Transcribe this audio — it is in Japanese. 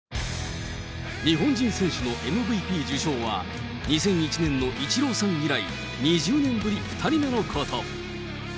日本人選手のＭＶＰ受賞は、２００１年のイチローさん以来、２０年ぶり２人目のこと。